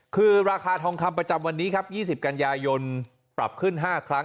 คือราคาทองคำประจำวันนี้ครับ๒๐กันยายนปรับขึ้น๕ครั้ง